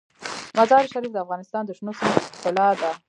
مزارشریف د افغانستان د شنو سیمو ښکلا ده.